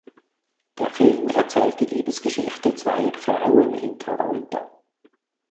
Der Film erzählt die Liebesgeschichte zweier Frauen in Toronto.